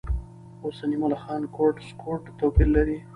اوسني ملخان کورټ و سکوټ توپیر لري.